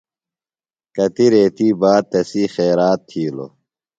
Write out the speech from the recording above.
کتیۡ ریتیۡ باد تسی خیرات تھیلوۡ۔